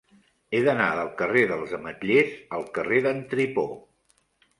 He d'anar del carrer dels Ametllers al carrer d'en Tripó.